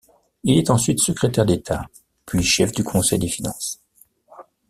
Il est ensuite Secrétaire d'État, puis chef du Conseil des Finances.